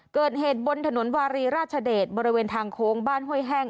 เกิดเหตุบนถนนวารีราชเดชบริเวณทางโค้งบ้านห้วยแห้ง